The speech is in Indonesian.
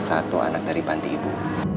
ini salah satu anak dari panti ibu